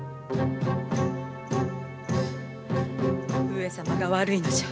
上様が悪いのじゃ。